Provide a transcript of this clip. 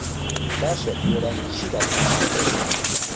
باشە، گۆرانیی چی دەڵێیت؟